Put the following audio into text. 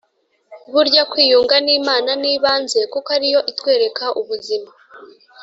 burya kwiyunga n’imana ni ibanze, kuko ari yo itwereka ubuzima